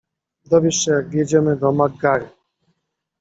- Dowiesz się jak wjedziemy do MacGurry.